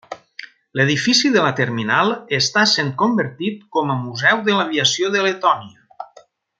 L'edifici de la terminal està sent convertit com a museu de l'aviació de Letònia.